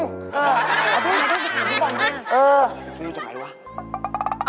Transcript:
เออเอาดูนี้ก่อนนี่ก็บอกไหม